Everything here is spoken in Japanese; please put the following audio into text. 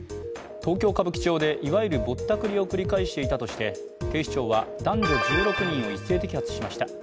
東京・歌舞伎町でいわゆるぼったくりを繰り返していたとして警視庁は男女１６人を一斉摘発しました。